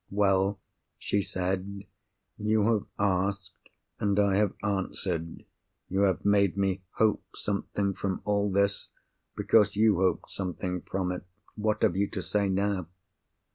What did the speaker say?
"Well?" she said, "you have asked, and I have answered. You have made me hope something from all this, because you hoped something from it. What have you to say now?"